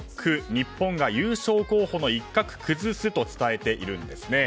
日本が優勝候補の一角崩すと伝えているんです。